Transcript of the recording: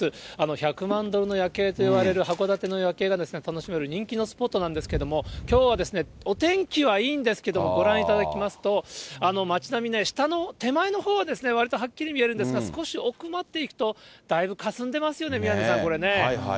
１００万ドルの夜景といわれる函館の夜景が楽しめる人気のスポットなんですけれども、きょうはですね、お天気はいいんですけども、ご覧いただきますと、街並み、下の手前のほうは、わりとはっきり見えるんですが、少し奥まっていくと、だいぶ霞んでますよね、宮根さん、これね。